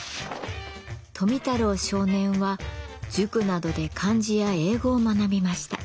富太郎少年は塾などで漢字や英語を学びました。